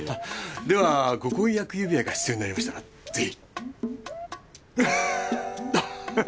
ではご婚約指輪が必要になりましたらぜひ。